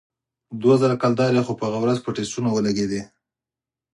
دوه زره کلدارې خو پر هغه ورځ په ټسټونو ولگېدې.